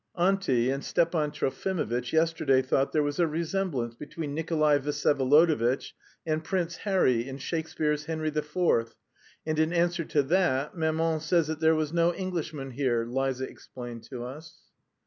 "Auntie and Stepan Trofimovitch yesterday thought there was a resemblance between Nikolay Vsyevolodovitch and Prince Harry in Shakespeare's Henry IV, and in answer to that maman says that there was no Englishman here," Liza explained to us.